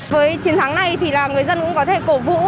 với chiến thắng này thì là người dân cũng có thể cổ vũ